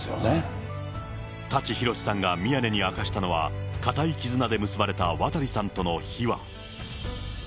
舘ひろしさんが宮根に明かしたのは、固い絆で結ばれた渡さんとの秘話。